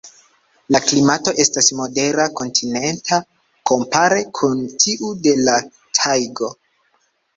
La klimato estas modere kontinenta kompare kun tiu de la tajgo.